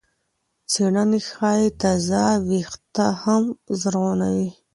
څېړنې ښيي تازه وېښته هم زرغونوي.